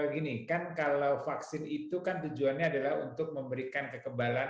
ya jadi gini kan kalau vaksin itu kan tujuannya adalah untuk memberikan kemendulan